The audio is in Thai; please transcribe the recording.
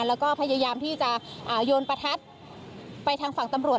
แล้วก็พยายามที่จะโยนประทัดไปทางฝั่งตำรวจ